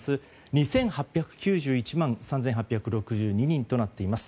２８９１万３８６２人となっています。